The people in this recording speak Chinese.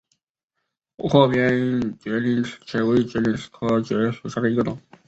阔边陵齿蕨为陵齿蕨科陵齿蕨属下的一个种。